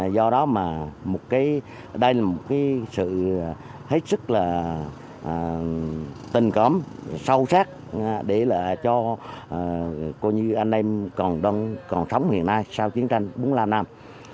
do đó mà đây là một cái sự hết sức là tình cớm sâu sắc để là cho cô như anh em còn sống hiện nay sau chiến tranh bốn mươi năm năm